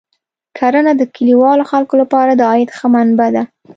کرنه د کلیوالو خلکو لپاره د عاید ښه منبع ده.